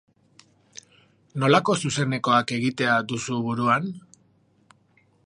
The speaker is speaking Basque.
Nolako zuzenekoak egitea duzu buruan?